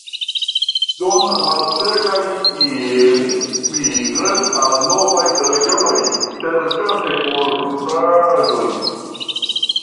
Dum malsekaj ili migras al novaj regionoj serĉante por nutraĵoj.